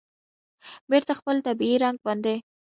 بېرته خپل طبیعي رنګ باندې